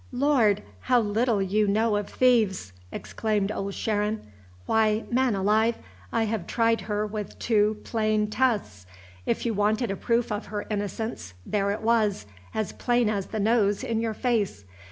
"Lord! how little you know of thieves!" exclaimed Old Sharon. "Why, man alive, I have tried her with two plain tests! If you wanted a proof of her innocence, there it was, as plain as the nose in your face.